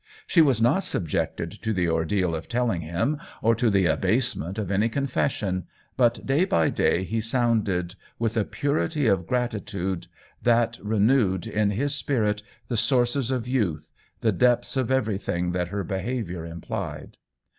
She was not subjected to the ordeal of telling him, or to the abasement of any confession, but day by day he sounded, with a purity of gratitude that renewed, in his spirit, the sources of youth, the depths of everything that her behavior implied.